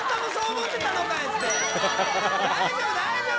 大丈夫大丈夫！